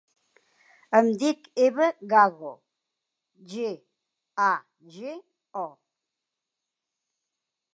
Em dic Eva Gago: ge, a, ge, o.